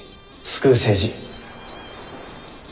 救う政治。